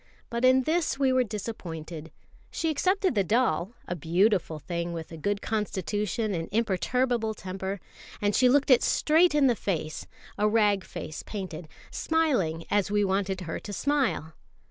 But in this we were disappointed. She accepted the doll a beautiful thing, with a good constitution and imperturbable temper; and she looked it straight in the face a rag face painted smiling as we wanted her to smile.